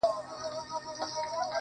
د نيمي شپې د خاموشۍ د فضا واړه ستـوري.